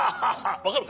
わかるか？